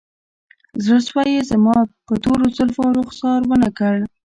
زړسوی یې زما په تورو زلفو او رخسار ونه کړ